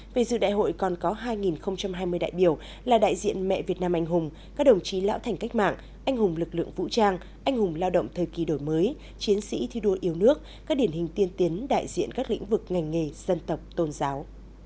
về dự đại hội còn có hai hai mươi đại biểu là đại diện mẹ việt nam anh hùng các đồng chí lão thành cách mạng anh hùng lực lượng vũ trang anh hùng lao động thời kỳ đổi mới chiến sĩ thi đua yêu nước các điển hình tiên tiến đại diện các lĩnh vực ngành nghề dân tộc tôn giáo